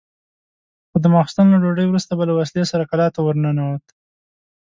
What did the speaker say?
خو د ماخستن له ډوډۍ وروسته به له وسلې سره کلا ته ورننوت.